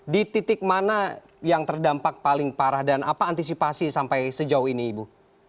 di titik mana yang terdampak paling parah dan apa antisipasi sampai sejauh ini ibu